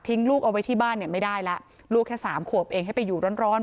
ทิ้งลูกเอาไว้ที่บ้านเนี่ยไม่ได้ล่ะลูกแค่๓ขวบเองให้ไปอยู่ร้อน